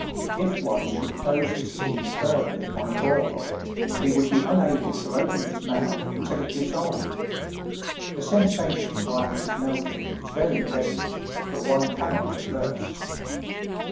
If one should close his teeth firmly on a ball of it, he would be unable to open his mouth until it dissolved. The sensation while it is melting is very pleasant, but one cannot converse.